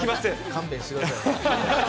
勘弁してください。